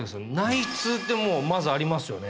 「内通」ってまずありますよね。